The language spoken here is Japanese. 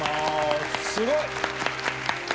すごい！